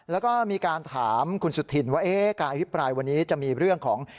แล้วก็มีการถามคุณสุธินว่าการอภิปรายวันนี้จะมีเรื่องของ